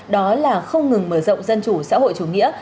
đó là không ngừng mở rộng dân chủ xã hội chủ nghĩa